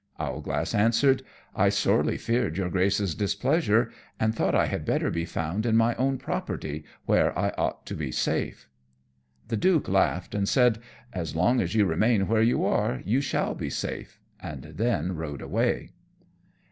Owlglass answered, "I sorely feared your Grace's displeasure, and thought I had better be found in my own property, where I ought to be safe." The Duke laughed, and said, "As long as you remain where you are you shall be safe," and then rode away.